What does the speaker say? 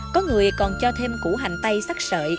có người còn cho thêm củ hành tây sắc sợi